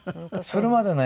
それまでね